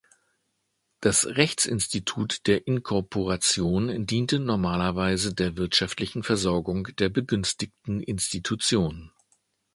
Das Rechtsinstitut der Inkorporation diente normalerweise der wirtschaftlichen Versorgung der begünstigten Institution.